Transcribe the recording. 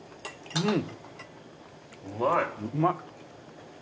うん。